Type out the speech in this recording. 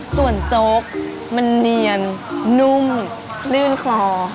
ส่วนโจ๊กมันเนียนนุ่มคลื่นคลอ